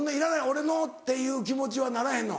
俺の！っていう気持ちはならへんの？